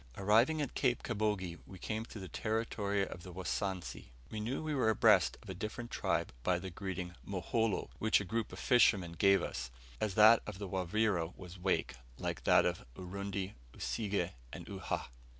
Arriving at Cape Kabogi, we came to the territory of the Wasansi. We knew we were abreast of a different tribe by the greeting "Moholo," which a group of fishermen gave us; as that of the Wavira was "Wake," like that of Urundi, Usige, and Uhha.